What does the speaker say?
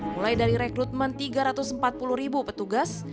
mulai dari rekrutmen tiga ratus empat puluh ribu petugas